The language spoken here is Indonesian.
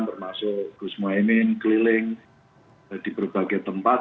termasuk gusmo emin keliling di berbagai tempat